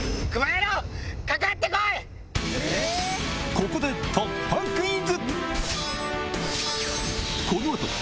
ここで突破クイズ！